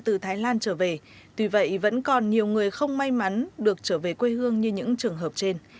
từ thái lan trở về tuy vậy vẫn còn nhiều người không may mắn được trở về quê hương như những trường hợp trên